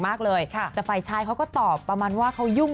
มากเลยค่ะแต่ฝ่ายชายเขาก็ตอบประมาณว่าเขายุ่ง